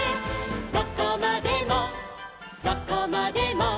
「どこまでもどこまでも」